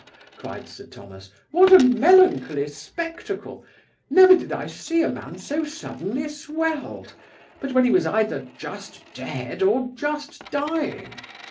(cried Sir Thomas) what a melancholy spectacle! never did I see a man so suddenly swelled, but when he was either just dead, or just dying.